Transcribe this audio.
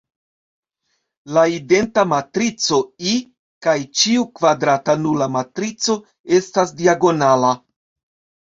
La identa matrico "I" kaj ĉiu kvadrata nula matrico estas diagonala.